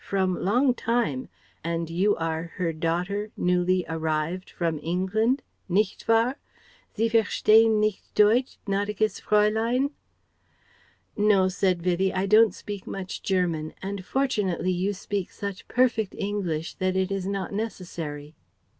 from long time, and you are her daughter newly arrived from England? Nicht wahr? Sie verstehen nicht Deutsch, gnädiges Fraulein?" "No," said Vivie, "I don't speak much German, and fortunately you speak such perfect English that it is not necessary."